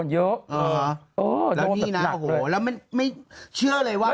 แล้วนี่นะโอ้โหแล้วไม่เชื่อเลยว่า